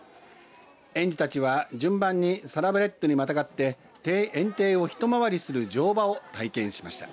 園児たちは順番にサラブレッドにまたがって園庭をひと回りする乗馬を体験しました。